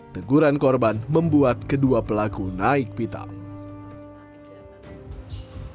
teguran korban membuat kedua pelaku naik pitam